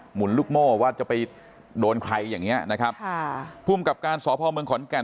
หุ่นลูกโม่ว่าจะไปโดนใครอย่างเงี้ยนะครับค่ะภูมิกับการสพเมืองขอนแก่น